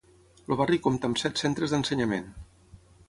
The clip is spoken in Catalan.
El barri compta amb set centres d'ensenyament.